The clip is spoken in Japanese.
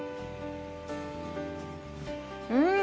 うん！